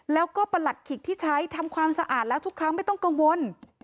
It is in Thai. แล้วก็ประหลัดขิกที่ใช้ทำความสะอาดแล้วทุกครั้งไม่ต้องกังวล